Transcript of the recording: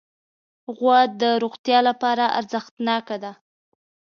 غوا د روغتیا لپاره ارزښتناکه ده.